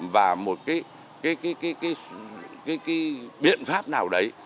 và một cái biện pháp nào đấy